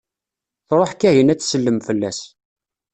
Truḥ Kahina ad tsellem fell-as.